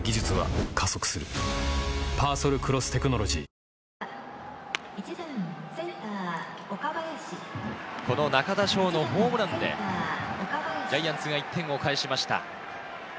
最高の渇きにＤＲＹこの中田翔のホームランで、ジャイアンツが１点を返しました。